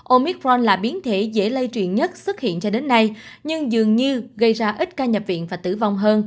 omicron là biến thể dễ lây truyền nhất xuất hiện cho đến nay nhưng dường như gây ra ít ca nhập viện và tử vật